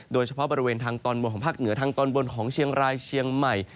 โดยเฉพาะบริเวณทางตอนบนของภาคเหนือทางตอนบนของเชียงรายเชียงใหม่